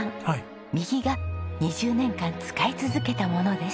右が２０年間使い続けたものです。